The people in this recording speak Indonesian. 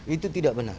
itu tidak benar